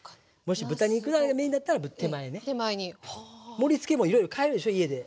盛りつけもいろいろ変えるでしょ家で。